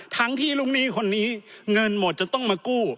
ทั้งที่ลูกหนี้คนนี้เงินหมดจะต้องมากู้